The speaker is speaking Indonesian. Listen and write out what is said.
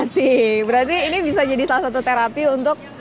sih berarti ini bisa jadi salah satu terapi untuk